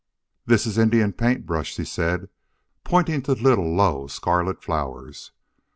"This is Indian paint brush," she said, pointing to little, low, scarlet flowers.